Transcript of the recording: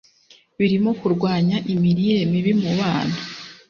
birimo kurwanya imirire mibi mu bana